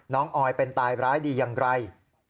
ออยเป็นตายร้ายดีอย่างไร